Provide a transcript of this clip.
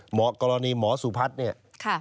กรณีหมอสุพัฒน์เนี่ย